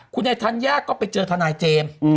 คุณไอ้ธัญญาก็ไปเจอทนายเจมส์